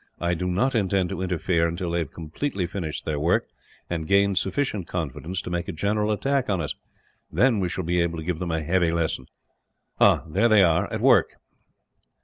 I do not intend to interfere until they have completely finished their work, and gained sufficient confidence to make a general attack on us. Then we shall be able to give them a heavy lesson. "Ah, there they are, at work!"